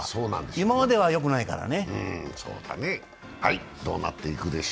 今まではよくないからね。